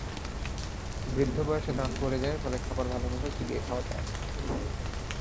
বৃদ্ধ বয়সে দাঁত পড়ে যায়, ফলে খাবার ভালোমতো চিবিয়ে খাওয়া যায় না।